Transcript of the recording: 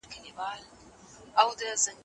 تاسو باید د حقایقو په بیانولو کې زړور اوسئ.